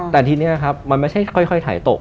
แต่ทีนี้ครับมันไม่ใช่ค่อยถ่ายตก